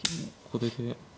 これで。